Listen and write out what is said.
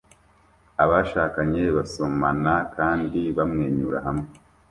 Abashakanye basomana kandi bamwenyura hamwe